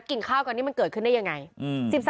กินข้าวกันนี่มันเกิดขึ้นได้ยังไง